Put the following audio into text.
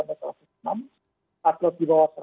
artplos di bawah seratus